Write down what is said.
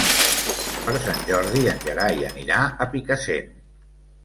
Per Sant Jordi en Gerai anirà a Picassent.